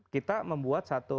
kita membuat satu